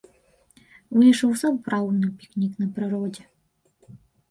Выйшаў сапраўдны пікнік на прыродзе.